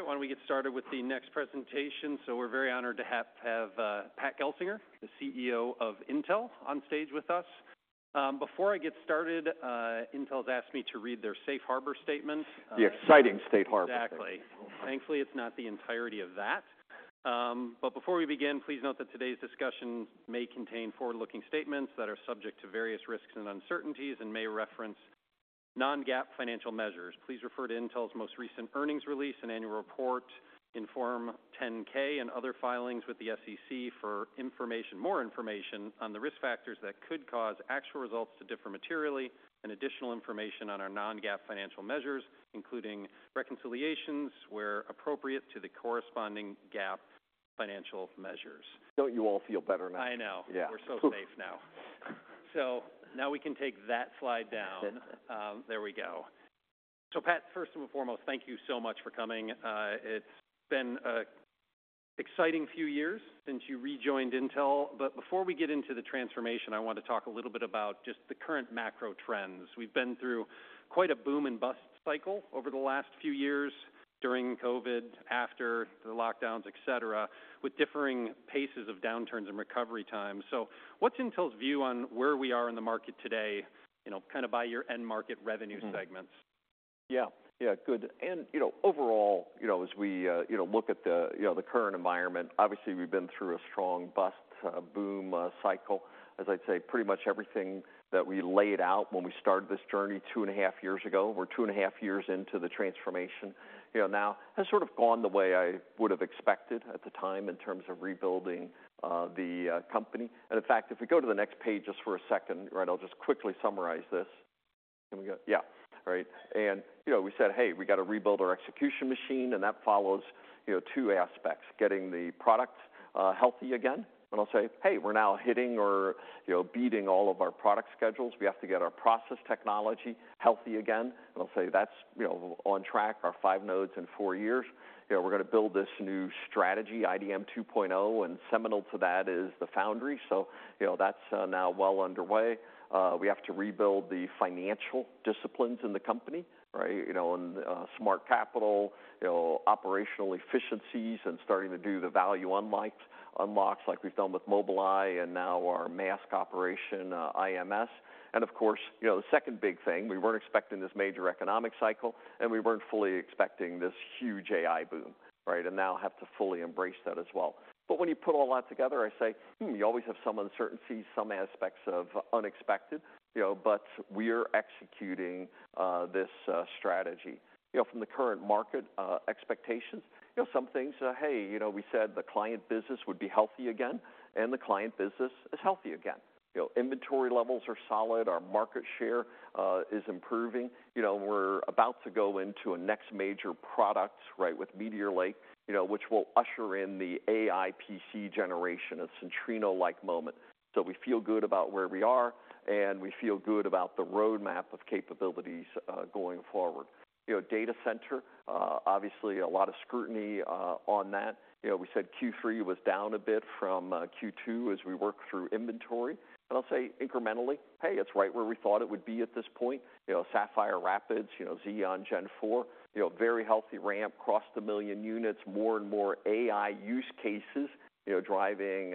All right, why don't we get started with the next presentation? We're very honored to have Pat Gelsinger, the CEO of Intel, on stage with us. Before I get started, Intel has asked me to read their safe harbor statement. The exciting safe harbor. Exactly. Thankfully, it's not the entirety of that. But before we begin, please note that today's discussion may contain forward-looking statements that are subject to various risks and uncertainties and may reference non-GAAP financial measures. Please refer to Intel's most recent earnings release and annual report in Form 10-K and other filings with the SEC for information, more information on the risk factors that could cause actual results to differ materially and additional information on our non-GAAP financial measures, including reconciliations, where appropriate, to the corresponding GAAP financial measures. Don't you all feel better now? I know. Yeah. We're so safe now. So now we can take that slide down. Yes. There we go. So, Pat, first and foremost, thank you so much for coming. It's been an exciting few years since you rejoined Intel, but before we get into the transformation, I want to talk a little bit about just the current macro trends. We've been through quite a boom and bust cycle over the last few years, during COVID, after the lockdowns, et cetera, et cetera, with differing paces of downturns and recovery times. So what's Intel's view on where we are in the market today? You know, kind of by your end market revenue segments. Yeah. Yeah, good. And, you know, overall, you know, as we, you know, look at the, you know, the current environment, obviously, we've been through a strong bust, boom, cycle. As I'd say, pretty much everything that we laid out when we started this journey 2.5 years ago. We're 2.5 years into the transformation, you know, now, has sort of gone the way I would have expected at the time in terms of rebuilding the company. And in fact, if we go to the next page just for a second, right, I'll just quickly summarize this. Can we go...? Yeah. Right. And, you know, we said, "Hey, we got to rebuild our execution machine." And that follows, you know, two aspects: getting the product healthy again. And I'll say, "Hey, we're now hitting or, you know, beating all of our product schedules." We have to get our process technology healthy again, and I'll say, "That's, you know, on track, our five nodes in four years." You know, we're going to build this new strategy, IDM 2.0, and seminal to that is the foundry. So you know, that's now well underway. We have to rebuild the financial disciplines in the company, right? You know, and, smart capital, you know, operational efficiencies and starting to do the value unlocks, like we've done with Mobileye and now our mask operation, IMS. And of course, you know, the second big thing, we weren't expecting this major economic cycle, and we weren't fully expecting this huge AI boom, right? And now have to fully embrace that as well. But when you put all that together, I say, "Hmm, you always have some uncertainties, some aspects of unexpected," you know, but we're executing this strategy. You know, from the current market expectations, you know, some things, hey, you know, we said the client business would be healthy again, and the client business is healthy again. You know, inventory levels are solid. Our market share is improving. You know, we're about to go into a next major product, right, with Meteor Lake, you know, which will usher in the AI PC generation, a Centrino-like moment. So we feel good about where we are, and we feel good about the roadmap of capabilities going forward. You know, data center, obviously a lot of scrutiny on that. You know, we said Q3 was down a bit from Q2 as we work through inventory. I'll say incrementally, hey, it's right where we thought it would be at this point. You know, Sapphire Rapids, you know, Xeon Gen 4, you know, very healthy ramp, crossed 1 million units, more and more AI use cases, you know, driving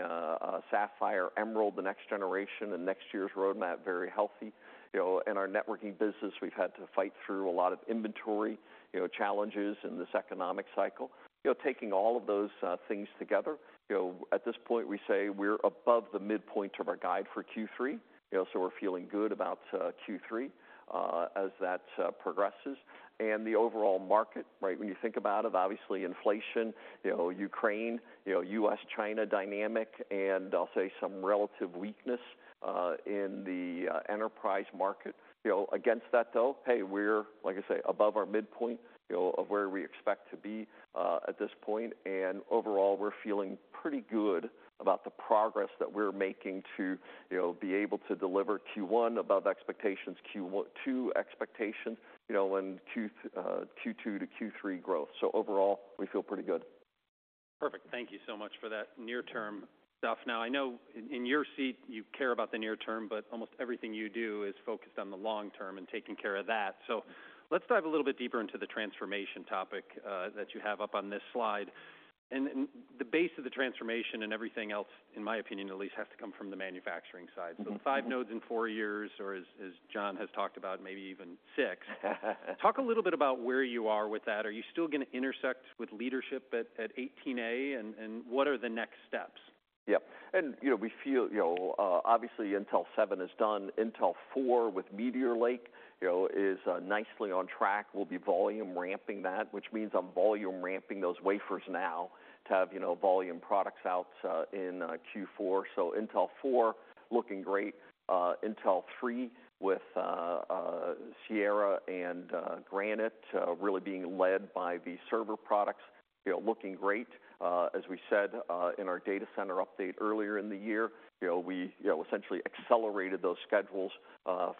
Sapphire Emerald, the next generation and next year's roadmap, very healthy. You know, in our networking business, we've had to fight through a lot of inventory, you know, challenges in this economic cycle. You know, taking all of those things together, you know, at this point, we say we're above the midpoint of our guide for Q3. You know, so we're feeling good about Q3 as that progresses. The overall market, right, when you think about it, obviously inflation, you know, Ukraine, you know, U.S.-China dynamic, and I'll say some relative weakness in the enterprise market. You know, against that, though, hey, we're, like I say, above our midpoint, you know, of where we expect to be at this point, and overall, we're feeling pretty good about the progress that we're making to, you know, be able to deliver Q1 above expectations, Q2 expectations, you know, and Q2 to Q3 growth. So overall, we feel pretty good. Perfect. Thank you so much for that near-term stuff. Now, I know in your seat, you care about the near term, but almost everything you do is focused on the long term and taking care of that. So let's dive a little bit deeper into the transformation topic that you have up on this slide. And, and the base of the transformation and everything else, in my opinion, at least, has to come from the manufacturing side. Mm-hmm. So five nodes in four years, or as John has talked about, maybe even six. Talk a little bit about where you are with that. Are you still going to intersect with leadership at 18A, and what are the next steps? Yep. And you know, we feel, you know, obviously, Intel 7 is done. Intel 4, with Meteor Lake, you know, is nicely on track. We'll be volume ramping that, which means I'm volume ramping those wafers now to have, you know, volume products out in Q4. So Intel 4, looking great. Intel 3, with Sierra and Granite, really being led by the server products, you know, looking great. As we said in our data center update earlier in the year, you know, we you know, essentially accelerated those schedules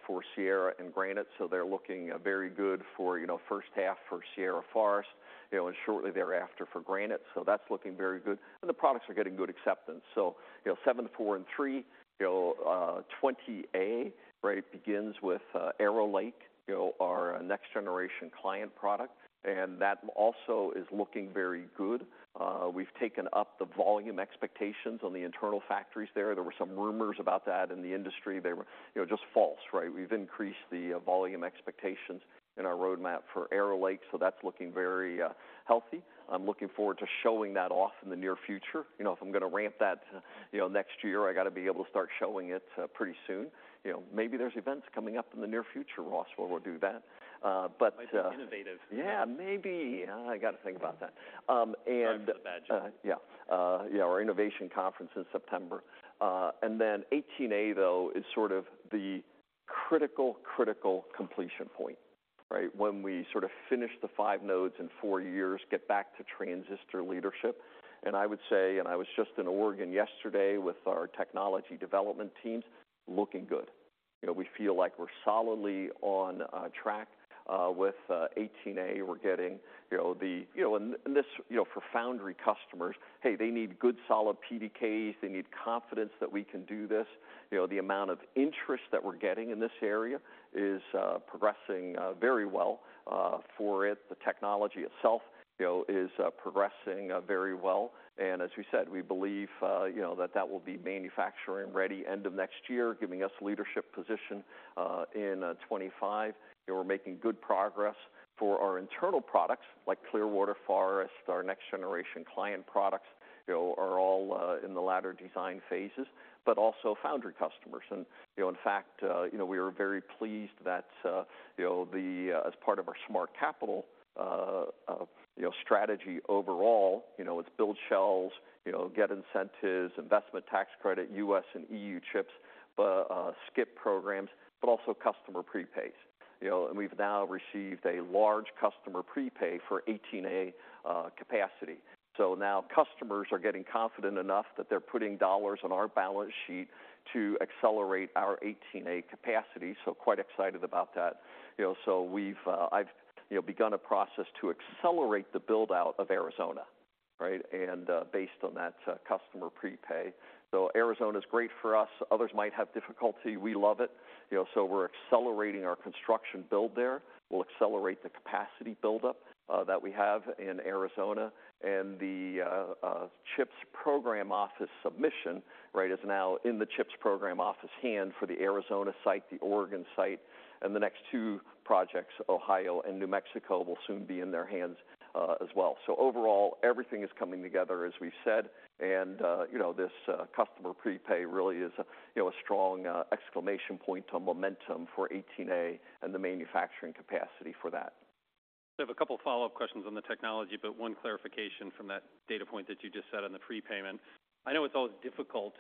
for Sierra and Granite, so they're looking very good for you know, first half for Sierra Forest, you know, and shortly thereafter for Granite. So that's looking very good, and the products are getting good acceptance. So, you know, seven, four, and three, you know, 20A, right, begins with Arrow Lake, you know, our next generation client product, and that also is looking very good. We've taken up the volume expectations on the internal factories there. There were some rumors about that in the industry. They were, you know, just false, right? We've increased the volume expectations in our roadmap for Arrow Lake, so that's looking very healthy. I'm looking forward to showing that off in the near future. You know, if I'm gonna ramp that, you know, next year, I got to be able to start showing it pretty soon. You know, maybe there's events coming up in the near future, Ross, where we'll do that. But, Innovative. Yeah, maybe. I got to think about that. I'm bad. Yeah, our innovation conference in September. And then 18A, though, is sort of the critical, critical completion point, right? When we sort of finish the five nodes in four years, get back to transistor leadership. And I would say, and I was just in Oregon yesterday with our technology development teams, looking good. You know, we feel like we're solidly on track with 18A. We're getting, you know, the... You know, and, and this, you know, for foundry customers, hey, they need good, solid PDKs. They need confidence that we can do this. You know, the amount of interest that we're getting in this area is progressing very well for it. The technology itself, you know, is progressing very well, and as we said, we believe, you know, that that will be manufacturing ready end of next year, giving us leadership position in 2025. We're making good progress for our internal products, like Clearwater Forest, our next generation client products, you know, are all in the latter design phases, but also foundry customers. And, you know, in fact, you know, we are very pleased that, you know, the, as part of our smart capital, you know, strategy overall, you know, it's build shells, you know, get incentives, investment tax credit, U.S. and EU Chips Act programs, but also customer prepays. You know, and we've now received a large customer prepay for 18A capacity. So now customers are getting confident enough that they're putting dollars on our balance sheet to accelerate our 18A capacity. So quite excited about that. You know, so we've, I've, you know, begun a process to accelerate the build-out of Arizona, right? And, based on that, customer prepay. So Arizona is great for us. Others might have difficulty. We love it, you know, so we're accelerating our construction build there. We'll accelerate the capacity buildup, that we have in Arizona. And the CHIPS Program Office submission, right, is now in the CHIPS Program Office hands for the Arizona site, the Oregon site, and the next two projects, Ohio and New Mexico, will soon be in their hands, as well. So overall, everything is coming together, as we've said, and, you know, this, customer prepay really is a, you know, a strong, exclamation point on momentum for 18A and the manufacturing capacity for that. I have a couple follow-up questions on the technology, but one clarification from that data point that you just said on the prepayment. I know it's always difficult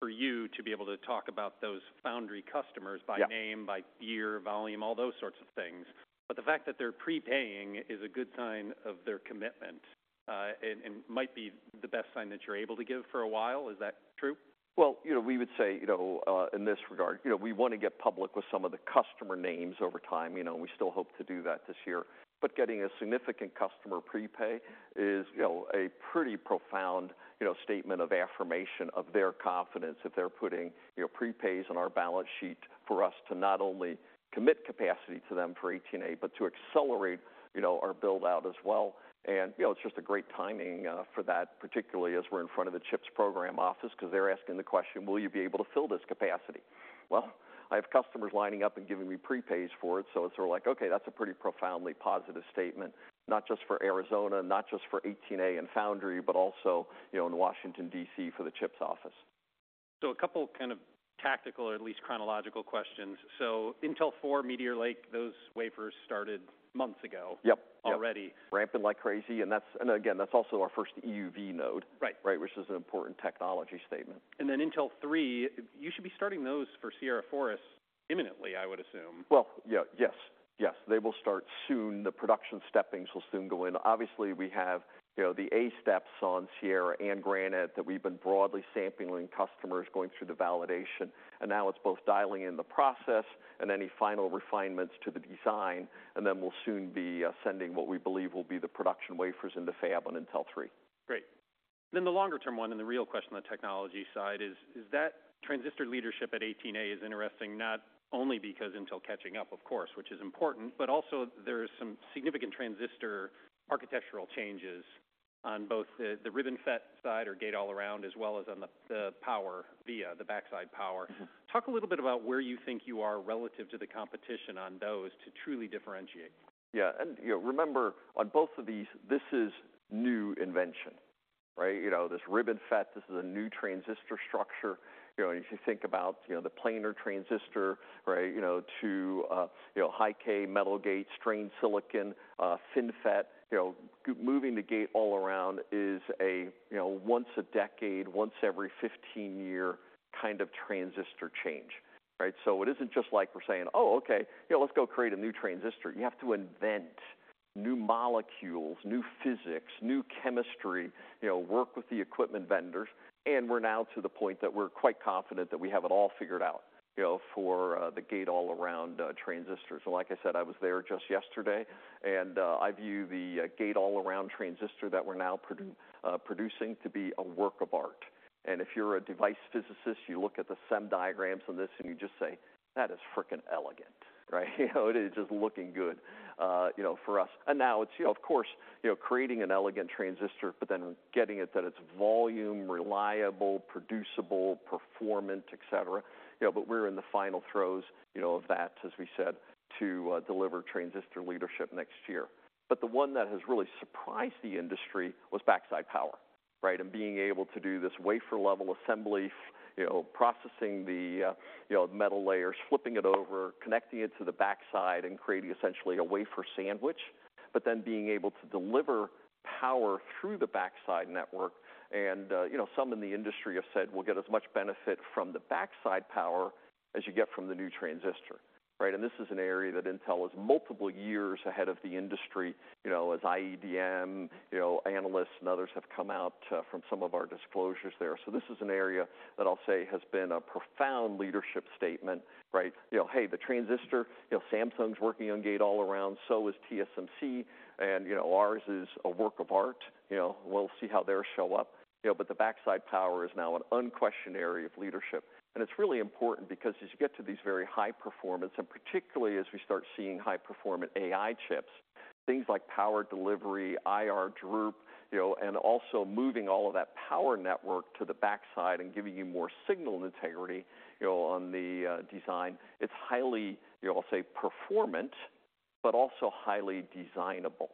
for you to be able to talk about those foundry customers- Yeah... by name, by year, volume, all those sorts of things. But the fact that they're prepaying is a good sign of their commitment, and might be the best sign that you're able to give for a while. Is that true? Well, you know, we would say, you know, in this regard, you know, we want to get public with some of the customer names over time. You know, we still hope to do that this year, but getting a significant customer prepay is, you know, a pretty profound, you know, statement of affirmation of their confidence that they're putting, you know, prepays on our balance sheet for us to not only commit capacity to them for 18A, but to accelerate, you know, our build-out as well. And, you know, it's just a great timing, for that, particularly as we're in front of the CHIPS Program Office, because they're asking the question: "Will you be able to fill this capacity?" Well, I have customers lining up and giving me prepays for it, so it's sort of like, okay, that's a pretty profoundly positive statement. Not just for Arizona, not just for 18A and Foundry, but also, you know, in Washington, D.C., for the CHIPS office. So a couple kind of tactical or at least chronological questions. So Intel 4, Meteor Lake, those wafers started months ago- Yep. -already. Ramping like crazy, and that's... and again, that's also our first EUV node. Right. Right, which is an important technology statement. Then Intel 3, you should be starting those for Sierra Forest imminently, I would assume. Well, yeah. Yes, yes, they will start soon. The production steppings will soon go in. Obviously, we have, you know, the A steps on Sierra and Granite that we've been broadly sampling customers going through the validation, and now it's both dialing in the process and any final refinements to the design, and then we'll soon be sending what we believe will be the production wafers into Fab on Intel 3. Great. Then the longer-term one, and the real question on the technology side is, is that transistor leadership at 18A is interesting, not only because Intel catching up, of course, which is important, but also there is some significant transistor architectural changes on both the RibbonFET side, or gate-all-around, as well as on the PowerVia, the backside power. Mm-hmm. Talk a little bit about where you think you are relative to the competition on those to truly differentiate. Yeah, and you know, remember, on both of these, this is new invention, right? You know, this RibbonFET, this is a new transistor structure. You know, if you think about you know, the planar transistor, right, you know, to high-k metal gate, strained silicon, FinFET, you know, moving the gate all around is a you know, once a decade, once every 15-year kind of transistor change, right? So it isn't just like we're saying, "Oh, okay, yeah, let's go create a new transistor." You have to invent new molecules, new physics, new chemistry, you know, work with the equipment vendors, and we're now to the point that we're quite confident that we have it all figured out, you know, for the Gate-all-around transistors. Like I said, I was there just yesterday, and I view the gate-all-around transistor that we're now producing to be a work of art. And if you're a device physicist, you look at the SEM diagrams on this, and you just say, "That is freaking elegant." Right? You know, it is just looking good, you know, for us. And now it's... You know, of course, you know, creating an elegant transistor, but then getting it that it's volume, reliable, producible, performant, et cetera. You know, but we're in the final throes, you know, of that, as we said, to deliver transistor leadership next year. But the one that has really surprised the industry was backside power, right? Being able to do this wafer level assembly, you know, processing the, you know, metal layers, flipping it over, connecting it to the backside and creating essentially a wafer sandwich, but then being able to deliver power through the backside network and, you know, some in the industry have said we'll get as much benefit from the backside power as you get from the new transistor, right? And this is an area that Intel is multiple years ahead of the industry, you know, as we've been, you know, analysts and others have come out from some of our disclosures there. So this is an area that I'll say has been a profound leadership statement, right? You know, hey, the transistor, you know, Samsung's working on gate-all-around, so is TSMC, and you know, ours is a work of art. You know, we'll see how theirs show up. You know, but the backside power is now an unquestioned area of leadership, and it's really important because as you get to these very high performance, and particularly as we start seeing high performance AI chips, things like power delivery, IR drop, you know, and also moving all of that power network to the backside and giving you more signal integrity, you know, on the design, it's highly, you know, I'll say performant, but also highly designable,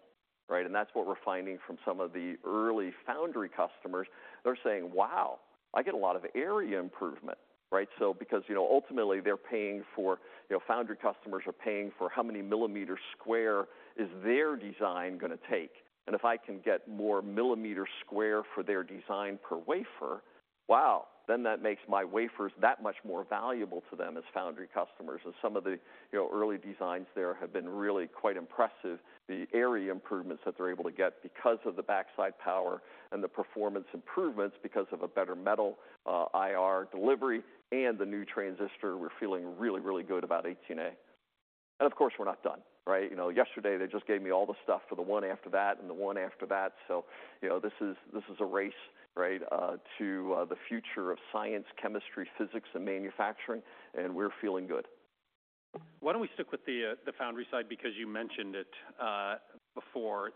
right? And that's what we're finding from some of the early foundry customers. They're saying, "Wow, I get a lot of area improvement," right? So because, you know, ultimately they're paying for, you know, foundry customers are paying for how many millimeters square is their design gonna take. If I can get more millimeters square for their design per wafer, wow, then that makes my wafers that much more valuable to them as foundry customers. And some of the, you know, early designs there have been really quite impressive. The area improvements that they're able to get because of the backside power and the performance improvements because of a better metal, IR delivery and the new transistor, we're feeling really, really good about 18A. And of course, we're not done, right? You know, yesterday they just gave me all the stuff for the one after that and the one after that. So, you know, this is, this is a race, right, to the future of science, chemistry, physics, and manufacturing, and we're feeling good. Why don't we stick with the foundry side, because you mentioned it before.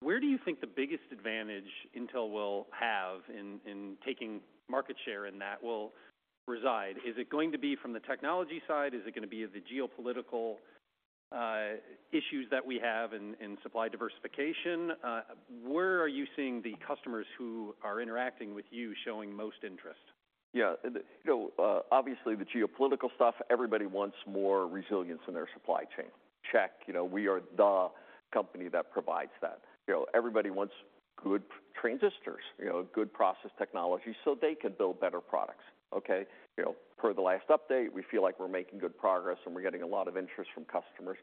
Where do you think the biggest advantage Intel will have in taking market share in that will reside? Is it going to be from the technology side? Is it gonna be the geopolitical issues that we have in supply diversification? Where are you seeing the customers who are interacting with you showing most interest? Yeah, the, you know, obviously, the geopolitical stuff, everybody wants more resilience in their supply chain. Check. You know, we are the company that provides that. You know, everybody wants good transistors, you know, good process technology, so they can build better products. Okay? You know, per the last update, we feel like we're making good progress, and we're getting a lot of interest from customers,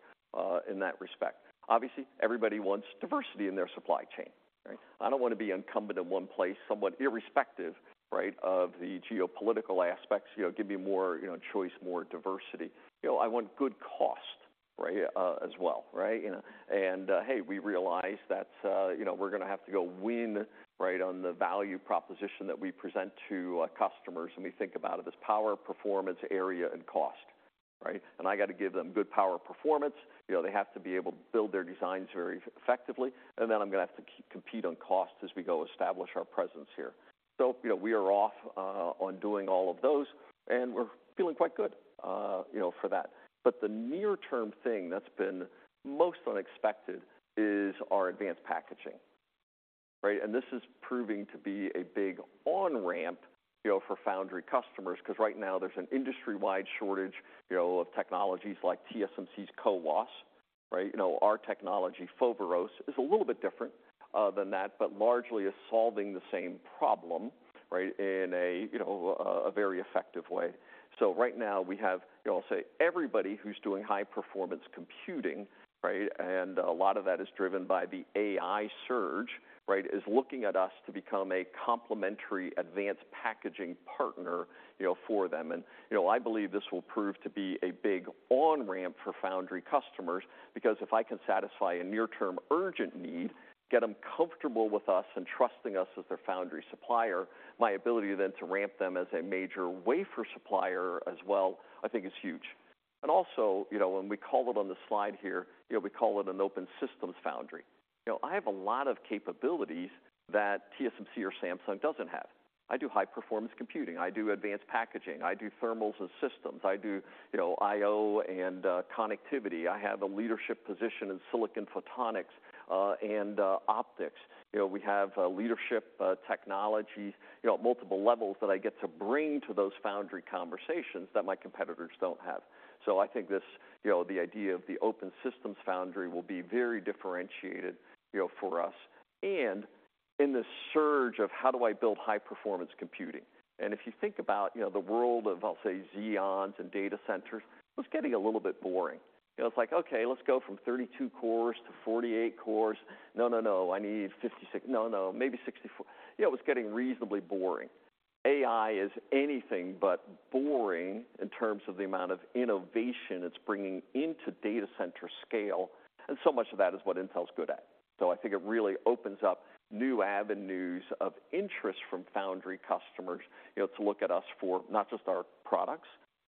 in that respect. Obviously, everybody wants diversity in their supply chain. Right? I don't want to be incumbent in one place, somewhat irrespective, right, of the geopolitical aspects. You know, give me more, you know, choice, more diversity. You know, I want good cost, right, as well, right? You know, and, hey, we realize that, you know, we're gonna have to go win, right, on the value proposition that we present to our customers, and we think about it as power, performance, area, and cost. Right? And I got to give them good power performance. You know, they have to be able to build their designs very effectively, and then I'm gonna have to compete on cost as we go establish our presence here. So, you know, we are off on doing all of those, and we're feeling quite good, you know, for that. But the near term thing that's been most unexpected is our advanced packaging. Right? And this is proving to be a big on-ramp, you know, for foundry customers, because right now there's an industry-wide shortage, you know, of technologies like TSMC's CoWoS, right? You know, our technology, Foveros, is a little bit different than that, but largely is solving the same problem, right, in a, you know, a very effective way. So right now we have, I'll say, everybody who's doing high performance computing, right, and a lot of that is driven by the AI surge, right, is looking at us to become a complementary advanced packaging partner, you know, for them. And, you know, I believe this will prove to be a big on-ramp for foundry customers, because if I can satisfy a near-term, urgent need, get them comfortable with us and trusting us as their foundry supplier, my ability then to ramp them as a major wafer supplier as well, I think is huge. And also, you know, when we call it on the slide here, you know, we call it an open systems foundry. You know, I have a lot of capabilities that TSMC or Samsung doesn't have. I do high performance computing, I do advanced packaging, I do thermals and systems, I do, you know, IO and connectivity. I have a leadership position in silicon photonics and optics. You know, we have leadership technology, you know, at multiple levels that I get to bring to those foundry conversations that my competitors don't have. So I think this, you know, the idea of the open systems foundry will be very differentiated, you know, for us, and in this surge of how do I build high-performance computing? And if you think about, you know, the world of, I'll say, Xeons and data centers, it was getting a little bit boring. You know, it's like, okay, let's go from 32 cores to 48 cores. No, no, no, I need 56. No, no, maybe 64. You know, it was getting reasonably boring. AI is anything but boring in terms of the amount of innovation it's bringing into data center scale, and so much of that is what Intel's good at. So I think it really opens up new avenues of interest from foundry customers, you know, to look at us for not just our products,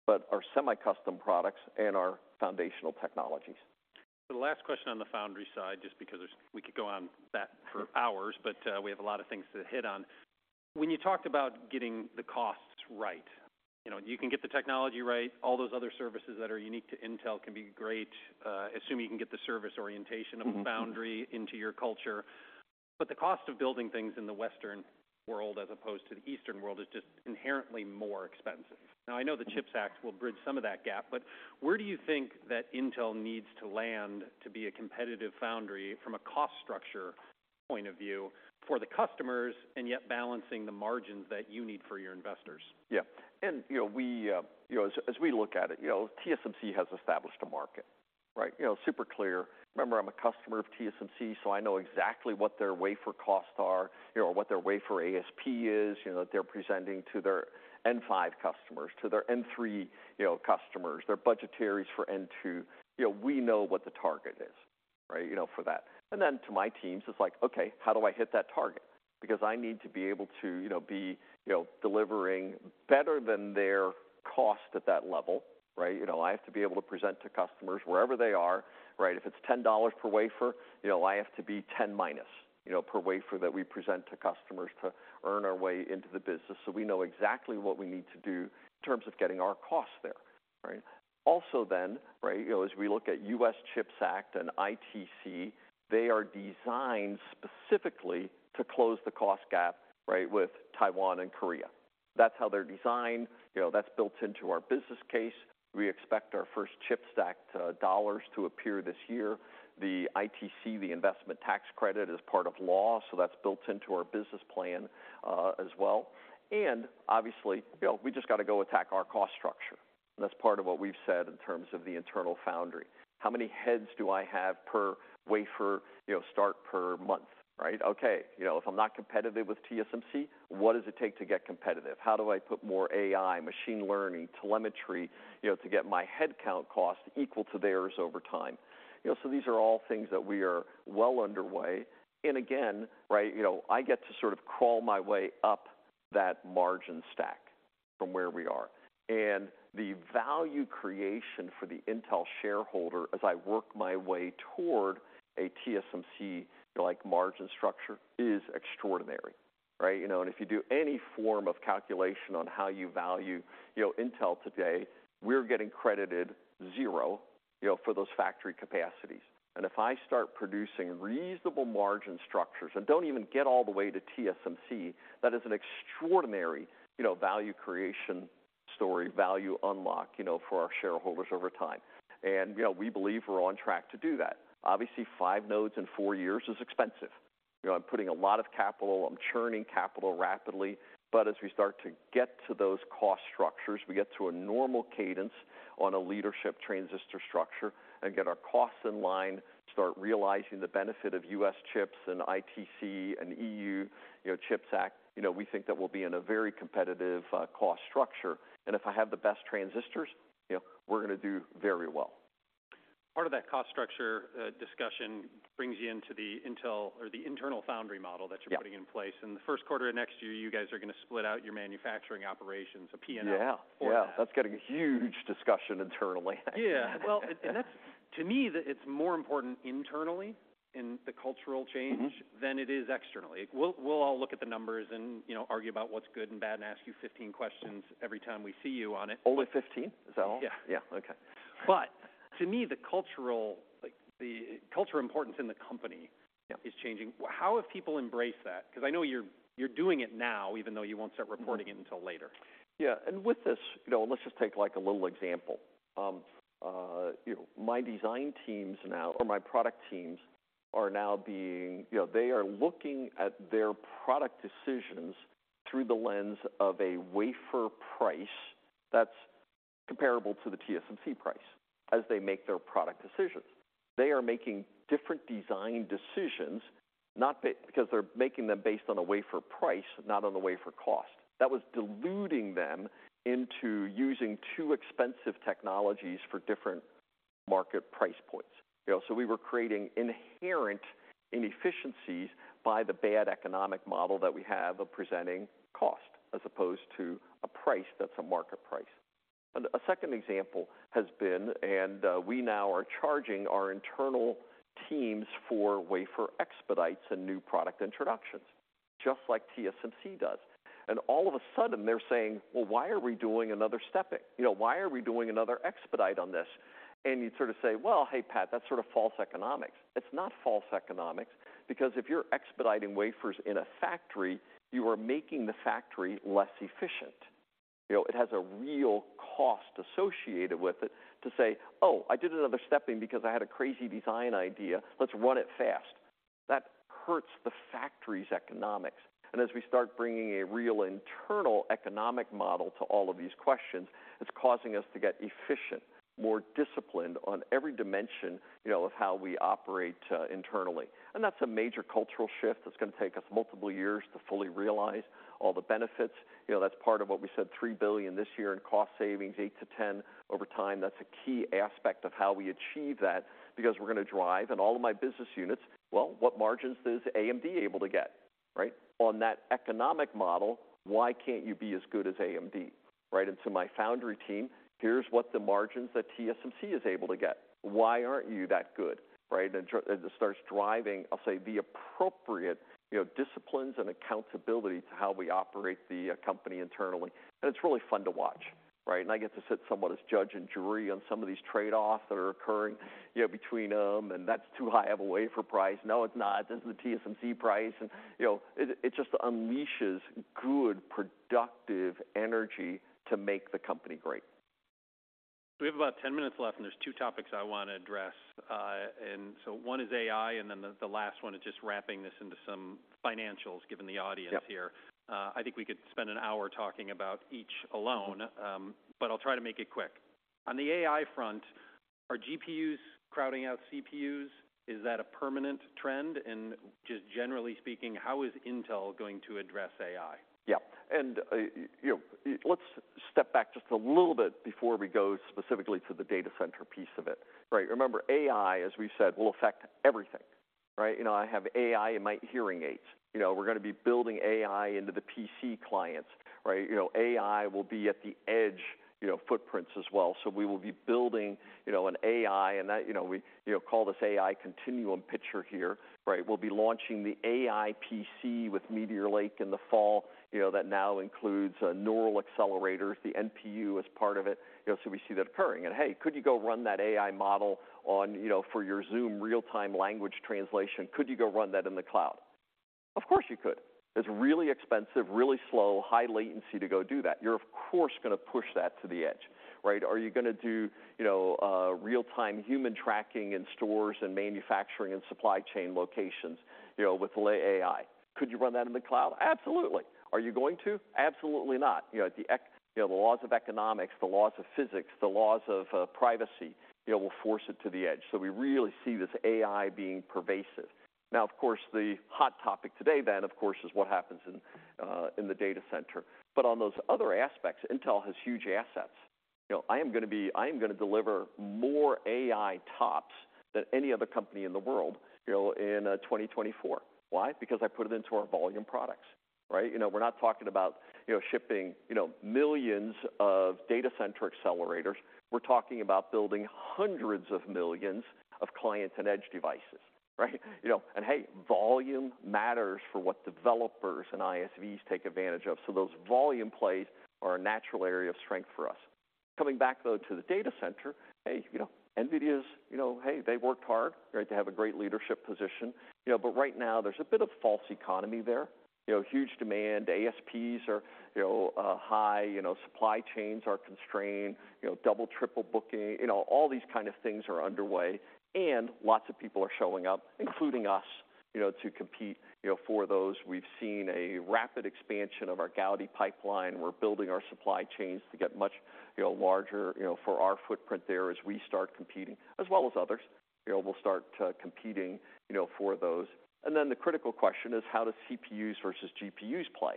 but our semi-custom products and our foundational technologies. So the last question on the foundry side, just because there's, we could go on that for hours, but we have a lot of things to hit on. When you talked about getting the costs right, you know, you can get the technology right, all those other services that are unique to Intel can be great, assuming you can get the service orientation- Mm-hmm... of a foundry into your culture. But the cost of building things in the Western world, as opposed to the Eastern world, is just inherently more expensive. Now, I know the CHIPS Act will bridge some of that gap, but where do you think that Intel needs to land to be a competitive foundry from a cost structure point of view for the customers, and yet balancing the margins that you need for your investors? Yeah, and, you know, we, you know, as, as we look at it, you know, TSMC has established a market, right? You know, super clear. Remember, I'm a customer of TSMC, so I know exactly what their wafer costs are or what their wafer ASP is. You know, they're presenting to their N5 customers, to their N3, you know, customers, their budgetaries for N2. You know, we know what the target is, right, you know, for that. And then to my teams, it's like, okay, how do I hit that target? Because I need to be able to, you know, be, you know, delivering better than their cost at that level, right? You know, I have to be able to present to customers wherever they are, right? If it's $10 per wafer, you know, I have to be 10-, you know, per wafer that we present to customers to earn our way into the business. So we know exactly what we need to do in terms of getting our costs there, right? Also then, right, you know, as we look at U.S. CHIPS Act and ITC, they are designed specifically to close the cost gap, right, with Taiwan and Korea. That's how they're designed. You know, that's built into our business case. We expect our first CHIPS Act dollars to appear this year. The ITC, the investment tax credit, is part of law, so that's built into our business plan, as well. And obviously, you know, we just got to go attack our cost structure. That's part of what we've said in terms of the internal foundry. How many heads do I have per wafer, you know, start per month, right? Okay, you know, if I'm not competitive with TSMC, what does it take to get competitive? How do I put more AI, machine learning, telemetry, you know, to get my head count costs equal to theirs over time? You know, so these are all things that we are well underway. And again, right, you know, I get to sort of crawl my way up that margin stack from where we are. And the value creation for the Intel shareholder as I work my way toward a TSMC-like margin structure is extraordinary, right? You know, and if you do any form of calculation on how you value, you know, Intel today, we're getting credited zero, you know, for those factory capacities. If I start producing reasonable margin structures and don't even get all the way to TSMC, that is an extraordinary, you know, value creation story, value unlock, you know, for our shareholders over time. You know, we believe we're on track to do that. Obviously, five nodes in four years is expensive. You know, I'm putting a lot of capital, I'm churning capital rapidly, but as we start to get to those cost structures, we get to a normal cadence on a leadership transistor structure and get our costs in line, start realizing the benefit of U.S. CHIPS and ITC and EU Chips Act, you know, we think that we'll be in a very competitive cost structure. If I have the best transistors, you know, we're gonna do very well. Part of that cost structure, discussion brings you into the Intel or the internal foundry model that you're- Yeah ...putting in place. In the first quarter of next year, you guys are gonna split out your manufacturing operations, a P&L. Yeah. Yeah. That's getting a huge discussion internally. Yeah. Well, and that's—to me, the it's more important internally in the cultural change- Mm-hmm... than it is externally. We'll all look at the numbers and, you know, argue about what's good and bad and ask you 15 questions every time we see you on it. Only 15? Is that all? Yeah. Yeah. Okay. But to me, like the cultural importance in the company- Yeah... is changing. How have people embraced that? Because I know you're doing it now, even though you won't start reporting it until later. Yeah, and with this, you know, let's just take, like, a little example. You know, my design teams now or my product teams are now being... you know, they are looking at their product decisions through the lens of a wafer price that's comparable to the TSMC price as they make their product decisions. They are making different design decisions, not because they're making them based on a wafer price, not on a wafer cost. That was deluding them into using two expensive technologies for different market price points. You know, so we were creating inherent inefficiencies by the bad economic model that we have of presenting cost, as opposed to a price that's a market price. A second example has been, and we now are charging our internal teams for wafer expedites and new product introductions, just like TSMC does. And all of a sudden they're saying: "Well, why are we doing another stepping? You know, why are we doing another expedite on this?" And you'd sort of say: "Well, hey, Pat, that's sort of false economics." It's not false economics, because if you're expediting wafers in a factory, you are making the factory less efficient. You know, it has a real cost associated with it to say, "Oh, I did another stepping because I had a crazy design idea. Let's run it fast." That hurts the factory's economics. And as we start bringing a real internal economic model to all of these questions, it's causing us to get efficient, more disciplined on every dimension, you know, of how we operate internally. And that's a major cultural shift that's going to take us multiple years to fully realize all the benefits. You know, that's part of what we said, $3 billion this year in cost savings, $8 billion-$10 billion over time. That's a key aspect of how we achieve that, because we're going to drive in all of my business units, well, what margins is AMD able to get, right? On that economic model, why can't you be as good as AMD, right? And so my foundry team, here's what the margins that TSMC is able to get. Why aren't you that good, right? And it starts driving, I'll say, the appropriate, you know, disciplines and accountability to how we operate the company internally, and it's really fun to watch. Right? And I get to sit somewhat as judge and jury on some of these trade-offs that are occurring, you know, between them, and that's too high of a wafer price. No, it's not. This is the TSMC price, and, you know, it just unleashes good, productive energy to make the company great. We have about 10 minutes left, and there's two topics I want to address. So one is AI, and then the last one is just wrapping this into some financials, given the audience here. Yep. I think we could spend an hour talking about each alone, but I'll try to make it quick. On the AI front, are GPUs crowding out CPUs? Is that a permanent trend? Just generally speaking, how is Intel going to address AI? Yeah, and, you know, let's step back just a little bit before we go specifically to the data center piece of it. Right. Remember, AI, as we said, will affect everything. Right? You know, I have AI in my hearing aids. You know, we're going to be building AI into the PC clients, right? You know, AI will be at the edge, you know, footprints as well. So we will be building, you know, an AI and that, you know, we, you know, call this AI continuum picture here, right? We'll be launching the AI PC with Meteor Lake in the fall, you know, that now includes, neural accelerators, the NPU, as part of it. You know, so we see that occurring and, hey, could you go run that AI model on, you know, for your Zoom real-time language translation? Could you go run that in the cloud? Of course, you could. It's really expensive, really slow, high latency to go do that. You're, of course, going to push that to the edge, right? Are you going to do, you know, real-time human tracking in stores and manufacturing and supply chain locations, you know, with AI? Could you run that in the cloud? Absolutely. Are you going to? Absolutely not. You know, the laws of economics, the laws of physics, the laws of privacy, you know, will force it to the edge. So we really see this AI being pervasive. Now, of course, the hot topic today then, of course, is what happens in the data center. But on those other aspects, Intel has huge assets. You know, I am going to deliver more AI tops than any other company in the world, you know, in 2024. Why? Because I put it into our volume products, right? You know, we're not talking about, you know, shipping, you know, millions of data center accelerators. We're talking about building hundreds of millions of clients and edge devices, right? You know, and hey, volume matters for what developers and ISVs take advantage of. So those volume plays are a natural area of strength for us. Coming back, though, to the data center, hey, you know, NVIDIA's, you know, hey, they worked hard, right? They have a great leadership position, you know, but right now, there's a bit of false economy there. You know, huge demand, ASPs are, you know, high, you know, supply chains are constrained, you know, double, triple booking, you know, all these kind of things are underway, and lots of people are showing up, including us, you know, to compete, you know, for those. We've seen a rapid expansion of our Gaudi pipeline. We're building our supply chains to get much, you know, larger, you know, for our footprint there as we start competing, as well as others. You know, we'll start competing, you know, for those. And then the critical question is: how do CPUs versus GPUs play?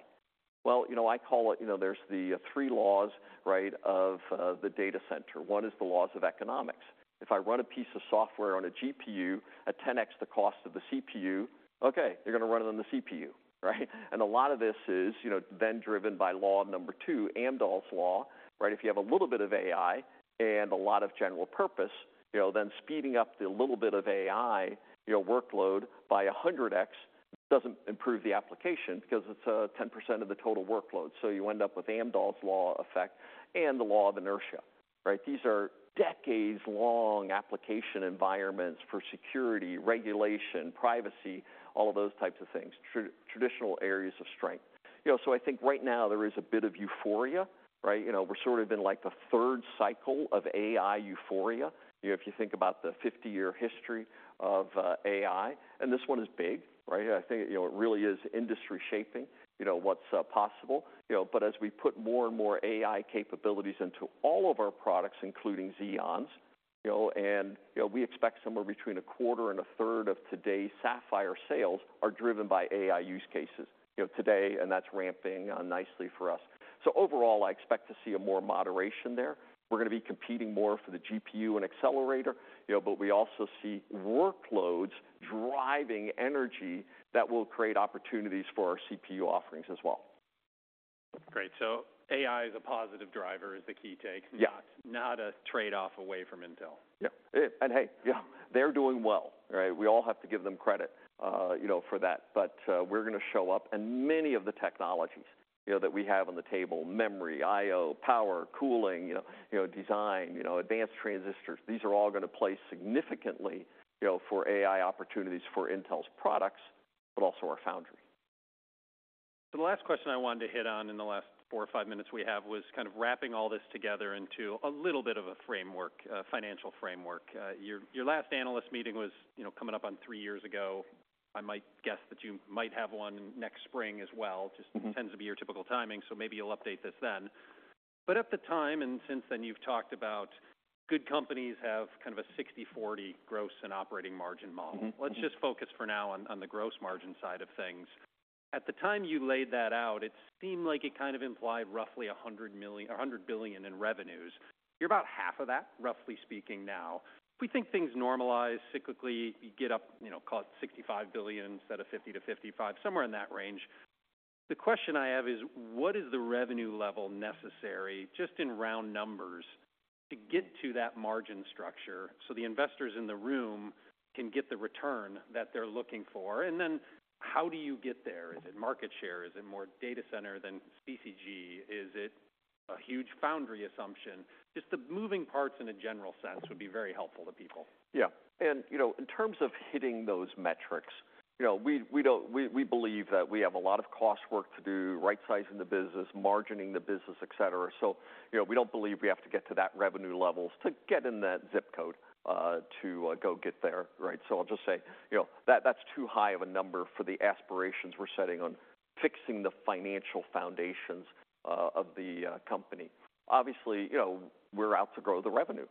Well, you know, I call it, you know, there's the three laws, right, of the data center. One is the laws of economics. If I run a piece of software on a GPU at 10x the cost of the CPU, okay, you're going to run it on the CPU, right? And a lot of this is, you know, then driven by law number two, Amdahl's law, right? If you have a little bit of AI and a lot of general purpose, you know, then speeding up the little bit of AI, you know, workload by 100x doesn't improve the application because it's 10% of the total workload. So you end up with Amdahl's law effect and the law of inertia, right? These are decades-long application environments for security, regulation, privacy, all of those types of things, traditional areas of strength. You know, so I think right now there is a bit of euphoria, right? You know, we're sort of in, like, the third cycle of AI euphoria. You know, if you think about the 50-year history of AI, and this one is big, right? I think, you know, it really is industry shaping, you know, what's possible. You know, but as we put more and more AI capabilities into all of our products, including Xeons, you know, and, you know, we expect somewhere between a quarter and a third of today's Sapphire sales are driven by AI use cases, you know, today, and that's ramping up nicely for us. So overall, I expect to see a more moderation there. We're going to be competing more for the GPU and accelerator, you know, but we also see workloads driving energy that will create opportunities for our CPU offerings as well. Great. So AI is a positive driver? Is the key take? Yeah. Not a trade-off away from Intel. Yep. And hey, yeah, they're doing well, right? We all have to give them credit, you know, for that. But, we're going to show up, and many of the technologies, you know, that we have on the table, memory, IO, power, cooling, you know, design, you know, advanced transistors, these are all going to play significantly, you know, for AI opportunities for Intel's products.... but also our foundry. The last question I wanted to hit on in the last four or five minutes we have, was kind of wrapping all this together into a little bit of a framework, a financial framework. Your last analyst meeting was, you know, coming up on three years ago. I might guess that you might have one next spring as well. Mm-hmm. Just tends to be your typical timing, so maybe you'll update this then. But at the time, and since then, you've talked about good companies have kind of a 60/40 gross and operating margin model. Mm-hmm. Mm-hmm. Let's just focus for now on, on the gross margin side of things. At the time you laid that out, it seemed like it kind of implied roughly $100 million, $100 billion in revenues. You're about half of that, roughly speaking now. We think things normalize cyclically. You get up, you know, call it $65 billion, instead of 50-55, somewhere in that range. The question I have is: What is the revenue level necessary, just in round numbers, to get to that margin structure so the investors in the room can get the return that they're looking for? And then how do you get there? Is it market share? Is it more data center than PCG? Is it a huge foundry assumption? Just the moving parts in a general sense would be very helpful to people. Yeah. And, you know, in terms of hitting those metrics, you know, we don't—we believe that we have a lot of cost work to do, right-sizing the business, margining the business, et cetera. So, you know, we don't believe we have to get to that revenue levels to get in that zip code to go get there, right? So I'll just say, you know, that's too high of a number for the aspirations we're setting on fixing the financial foundations of the company. Obviously, you know, we're out to grow the revenue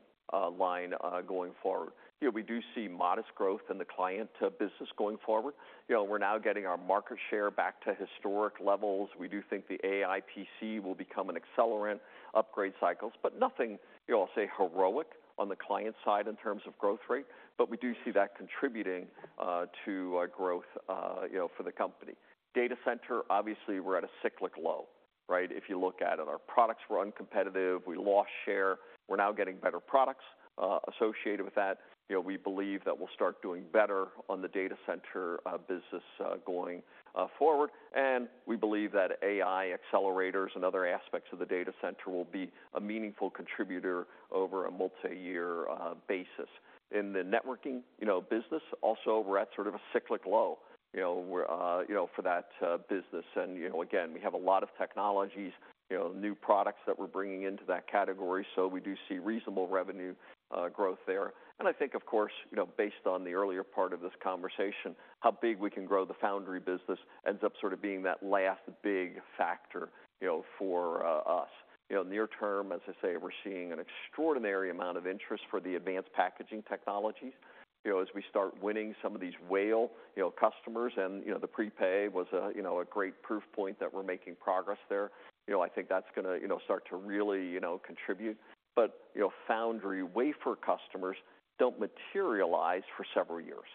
line going forward. You know, we do see modest growth in the client business going forward. You know, we're now getting our market share back to historic levels. We do think the AI PC will become an accelerant, upgrade cycles, but nothing, you know, I'll say heroic on the client side in terms of growth rate, but we do see that contributing to growth, you know, for the company. Data center, obviously, we're at a cyclic low, right? If you look at it, our products were uncompetitive, we lost share. We're now getting better products associated with that. You know, we believe that we'll start doing better on the data center business going forward. And we believe that AI accelerators and other aspects of the data center will be a meaningful contributor over a multiyear basis. In the networking, you know, business also, we're at sort of a cyclic low, you know, you know, for that business. You know, again, we have a lot of technologies, you know, new products that we're bringing into that category, so we do see reasonable revenue growth there. I think, of course, you know, based on the earlier part of this conversation, how big we can grow the foundry business ends up sort of being that last big factor, you know, for us. You know, near term, as I say, we're seeing an extraordinary amount of interest for the advanced packaging technologies. You know, as we start winning some of these whale, you know, customers and, you know, the prepay was a, you know, a great proof point that we're making progress there. You know, I think that's going to, you know, start to really, you know, contribute. But, you know, foundry wafer customers don't materialize for several years,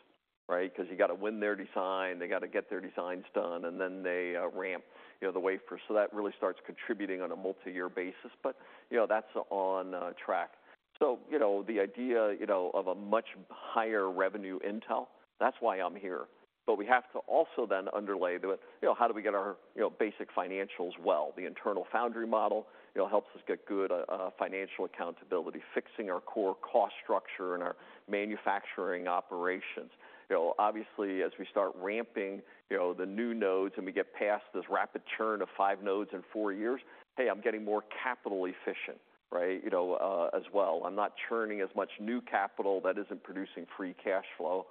right? Because you got to win their design, they got to get their designs done, and then they ramp, you know, the wafer. So that really starts contributing on a multi-year basis, but, you know, that's on track. So, you know, the idea, you know, of a much higher revenue Intel, that's why I'm here. But we have to also then underlay to it, you know, how do we get our, you know, basic financials well? The internal foundry model, you know, helps us get good financial accountability, fixing our core cost structure and our manufacturing operations. You know, obviously, as we start ramping, you know, the new nodes and we get past this rapid churn of five nodes in four years, hey, I'm getting more capital efficient, right, you know, as well. I'm not churning as much new capital that isn't producing free cash flow.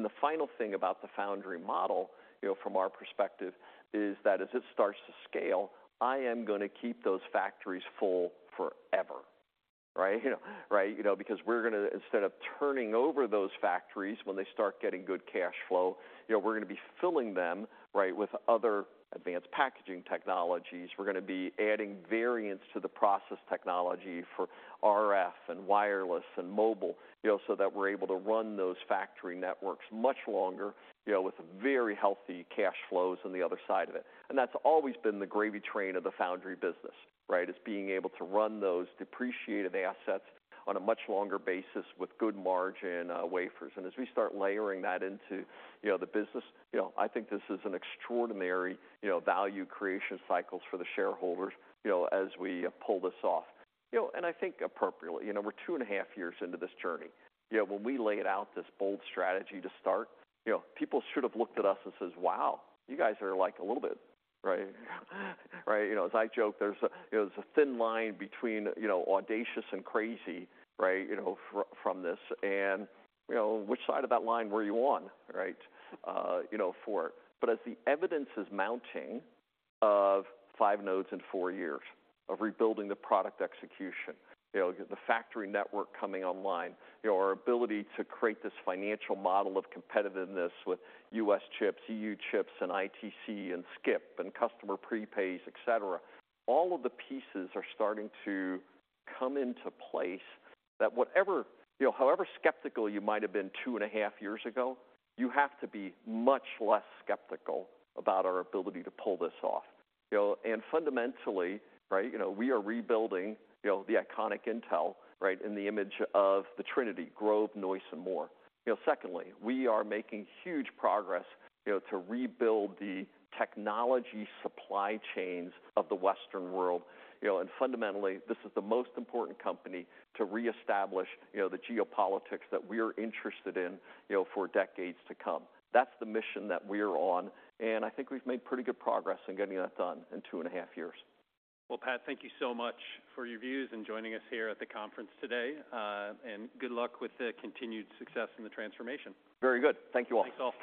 The final thing about the foundry model, you know, from our perspective, is that as it starts to scale, I am gonna keep those factories full forever, right? You know. Right? You know, because we're gonna-- instead of turning over those factories when they start getting good cash flow, you know, we're gonna be filling them, right, with other advanced packaging technologies. We're gonna be adding variants to the process technology for RF and wireless and mobile, you know, so that we're able to run those factory networks much longer, you know, with very healthy cash flows on the other side of it. And that's always been the gravy train of the foundry business, right? It's being able to run those depreciated assets on a much longer basis with good margin, wafers. As we start layering that into, you know, the business, you know, I think this is an extraordinary, you know, value creation cycles for the shareholders, you know, as we pull this off. You know, I think appropriately, you know, we're 2.5 years into this journey. You know, when we laid out this bold strategy to start, you know, people should have looked at us and says, "Wow, you guys are, like, a little bit..." Right? Right, you know, as I joke, there's a, you know, there's a thin line between, you know, audacious and crazy, right, you know, from this, and, you know, which side of that line were you on, right, you know, for? But as the evidence is mounting of five nodes in four years, of rebuilding the product execution, you know, the factory network coming online, you know, our ability to create this financial model of competitiveness with U.S. CHIPS, EU chips, and ITC and Skip and customer preface et cetera, all of the pieces are starting to come into place that whatever. You know, however skeptical you might have been 2.5 years ago, you have to be much less skeptical about our ability to pull this off. You know, and fundamentally, right, you know, we are rebuilding, you know, the iconic Intel, right, in the image of the Trinity, Grove, Noyce, and Moore. You know, secondly, we are making huge progress, you know, to rebuild the technology supply chains of the Western world. You know, and fundamentally, this is the most important company to reestablish, you know, the geopolitics that we're interested in, you know, for decades to come. That's the mission that we're on, and I think we've made pretty good progress in getting that done in two and a half years. Well, Pat, thank you so much for your views and joining us here at the conference today. Good luck with the continued success in the transformation. Very good. Thank you, all. Thanks, all.